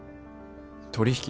取引？